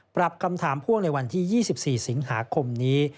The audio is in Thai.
ปรับคำถามพ่วงในวันที่๒๔สิงหาคมนี้